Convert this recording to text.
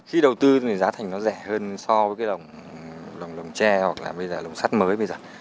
khi đầu tư thì giá thành nó rẻ hơn so với lồng tre hoặc là lồng sắt mới bây giờ